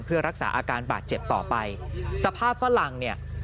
เพื่อรักษาอาการบาดเจ็บต่อไปสภาพฝรั่งเนี่ย